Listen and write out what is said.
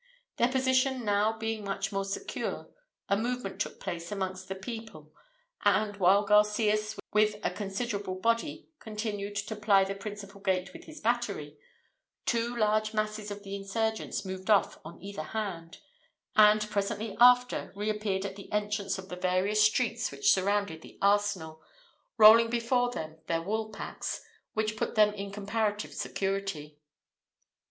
Their position being now much more secure, a movement took place amongst the people; and, while Garcias with a considerable body continued to ply the principal gate with his battery, two large masses of the insurgents moved off on either hand, and presently after, re appeared at the entrance of the various streets which surrounded the arsenal, rolling before them their woolpacks, which put them in comparative security.